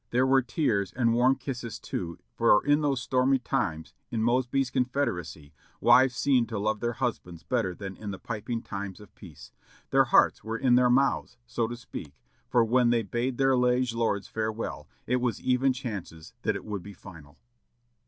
There were tears and warm kisses too, for in those stormy times, '*in Mosby's Confederacy," wives seemed to love their husbands better than in the piping times of peace ; their hearts were in their mouths, so to speak, for when they bade their liege lords farewell it was even chances that it would be final.